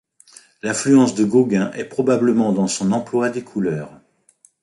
L'influence de Gauguin est probablement dans son emploi des couleurs.